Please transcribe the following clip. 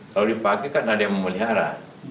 kalau dipakai kan ada yang memelihara